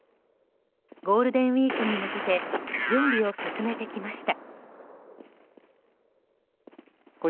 ゴールデンウィークに向けて準備を進めてきました。